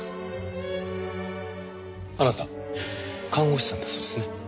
あなた看護師さんだそうですね。